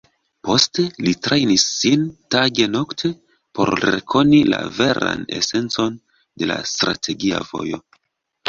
Poste li trejnis sin tage-nokte por rekoni la veran esencon de la Strategia Vojo.